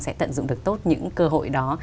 sẽ tận dụng được tốt những cơ hội đó